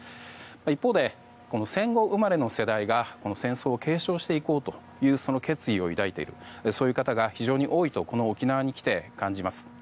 一方で、戦後生まれの世代が戦争を継承していこうという決意を抱いている方が非常に多いとこの沖縄に来て感じます。